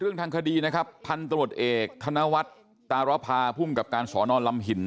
เรื่องทางคดีพันธุรดเอกทานวัตตะรภาพุ่มกราบสอนอนลามหิ่น